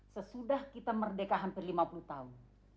sesudah kita merdeka hampir lima puluh tahun